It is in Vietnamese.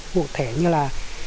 cụ thể như là